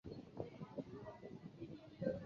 坪石街是二战时期中山大学临时所在地。